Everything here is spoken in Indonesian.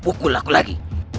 pukul aku lagi